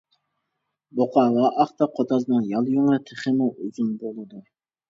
بۇقا ۋە ئاختا قوتازنىڭ يال يۇڭى تېخىمۇ ئۇزۇن بولىدۇ.